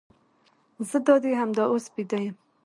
زه دادي همدا اوس بیده یم.